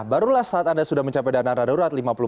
barulah saat anda sudah mencapai dana darurat